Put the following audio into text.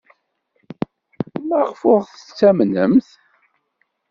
Maɣef ur aɣ-tettamnemt?